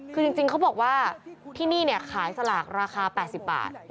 คือจริงเขาบอกว่าที่นี่เนี่ยขายสลากราคา๘๐บาท